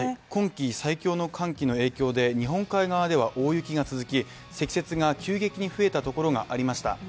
今季最強の寒気の影響で日本海側では大雪が続き、積雪が急激に増えたところがありました。